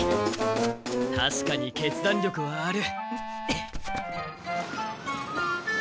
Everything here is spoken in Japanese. たしかに決断力はある。